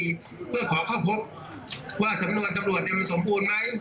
เพื่อขอเข้าพบว่าสำนวนตำรวจเนี่ยมันสมบูรณ์ไหม